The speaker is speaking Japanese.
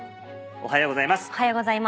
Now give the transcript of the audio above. おはようございます。